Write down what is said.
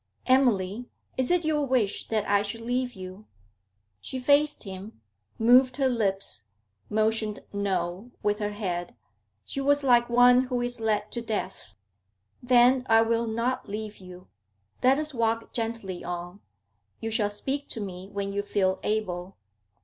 'Emily, is it your wish that I should leave you?' She faced him, moved her lips, motioned 'no' with her head. She was like one who is led to death. 'Then I will not leave you. Let us walk gently on; you shall speak to me when you feel able.'